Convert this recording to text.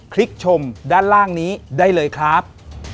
ลิกชมด้านล่างนี้ได้เลยครับ